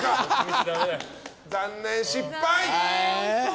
残念、失敗！